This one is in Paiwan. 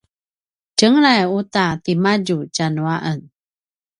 tjengelay uta timadju tjanu a en